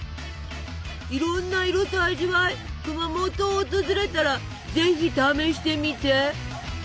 いろんな色と味わい熊本を訪れたらぜひ試してみて。